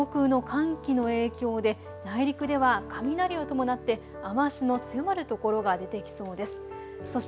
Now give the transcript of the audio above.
上空の寒気の影響で内陸では雷を伴って雨足の強まる所が出てきそうです。